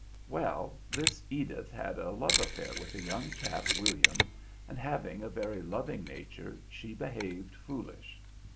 Well, this Edith had a love affair with a young chap William, and having a very loving nature she behaved foolish.